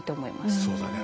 そうだね。